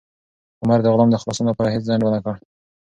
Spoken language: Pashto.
عمر د غلام د خلاصون لپاره هیڅ ځنډ ونه کړ.